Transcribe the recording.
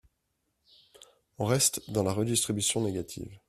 On reste dans la redistribution négative.